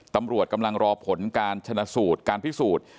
ตำรวจกำลังรอผลการชนะสูตรการพิสูจน์